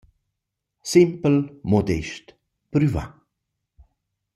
Simpel, modest, prüvà.